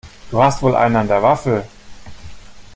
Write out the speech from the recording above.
Du hast wohl einen an der Waffel!